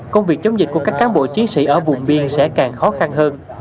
công việc chống dịch của các cán bộ chiến sĩ ở vùng biên sẽ càng khó khăn hơn